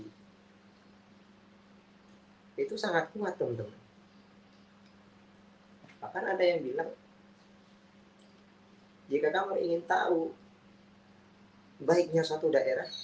hai itu sangat kuat untuk hai akan ada yang bilang hai jika kamu ingin tahu hai baiknya satu daerah